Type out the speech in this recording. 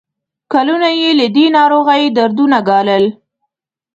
کلونه یې له دې ناروغۍ دردونه ګالل.